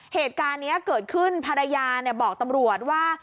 เหตุการณ์นี้เกิดขึ้นภรรยาบอกตำรวจว่า